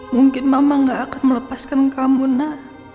mungkin mama gak akan melepaskan kamu nak